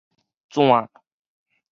炸